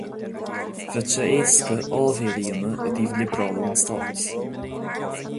Bheadh sé éasca áibhéil a dhéanamh i dtaobh liobrálú an Stáit.